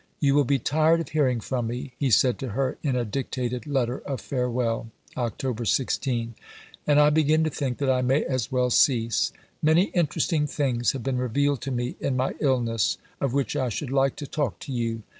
"You will be tired of hearing from me," he said to her in a dictated letter of farewell (Oct. 16), "and I begin to think that I may as well cease. Many interesting things have been revealed to me in my illness, of which I should like to talk to you.